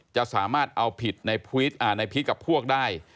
จะสามารถเอาผิดกับพวกได้